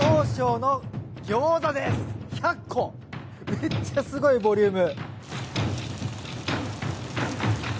めっちゃすごいボリューム。